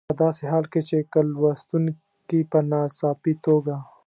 په داسې حال کې چې که لوستونکي په ناڅاپي توګه.